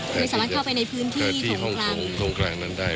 ไม่สามารถเข้าไปในพื้นที่ของกลางตรงกลางนั้นได้